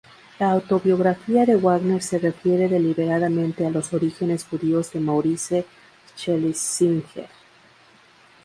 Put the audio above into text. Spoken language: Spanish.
La autobiografía de Wagner se refiere deliberadamente a los orígenes judíos de Maurice Schlesinger.